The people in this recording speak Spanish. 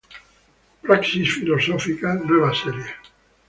Praxis Filosófica, Nueva Serie.